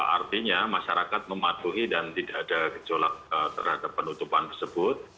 artinya masyarakat mematuhi dan tidak ada gejolak terhadap penutupan tersebut